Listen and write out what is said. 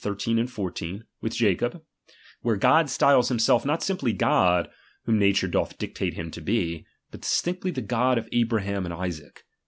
13,14) with Jacob ; where God styles himself not simply I God, whom nature doth dictate him to be, but dis tinctly the God of Abraham and Isaac.